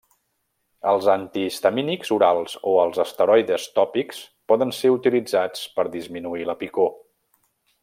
Els antihistamínics orals o els esteroides tòpics poden ser utilitzats per disminuir la picor.